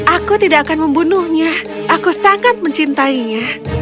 aku tidak akan membunuhnya aku sangat mencintainya